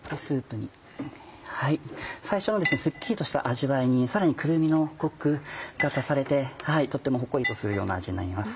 最初はすっきりとした味わいにさらにくるみのコクが足されてとってもほっこりとするような味になります。